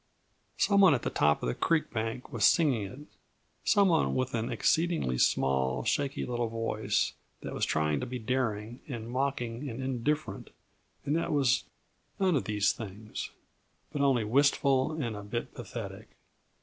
Some one at the top of the creek bank was singing it; some one with an exceedingly small, shaky little voice that was trying to be daring and mocking and indifferent, and that was none of these things but only wistful and a bit pathetic.